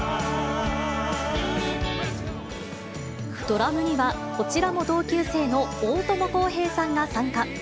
ドラムには、こちらも同級生の大友康平さんが参加。